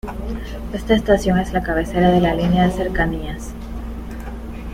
Esta estación es la cabecera de la línea de cercanías.